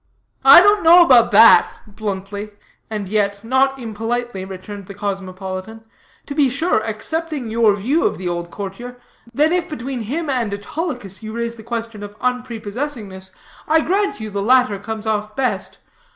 "I don't know about that," bluntly, and yet not impolitely, returned the cosmopolitan; "to be sure, accepting your view of the old courtier, then if between him and Autolycus you raise the question of unprepossessingness, I grant you the latter comes off best.